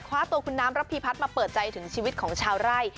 คว้าตัวคุณน้ำระพีพัฒน์มาเปิดใจถึงชีวิตของชาวไร่